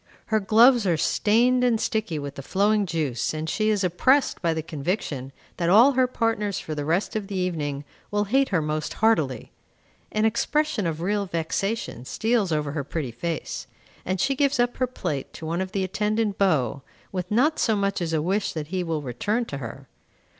Her gloves are stained and sticky with the flowing juice, and she is oppressed by the conviction that all her partners for the rest of the evening will hate her most heartily. An expression of real vexation steals over her pretty face, and she gives up her plate to one of the attendant beaux, with not so much as a wish that he will return to her.